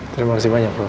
terima kasih banyak prof